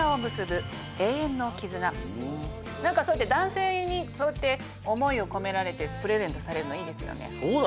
何かそうやって男性に思いを込められてプレゼントされるのいいですよね。